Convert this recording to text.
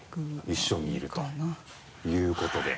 一緒にいるということで。